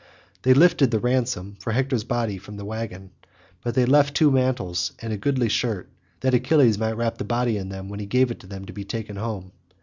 They lifted the ransom for Hector's body from the waggon, but they left two mantles and a goodly shirt, that Achilles might wrap the body in them when he gave it to be taken home.